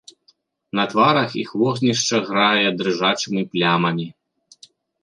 На тварах іх вогнішча грае дрыжачымі плямамі.